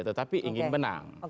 tetapi ingin menang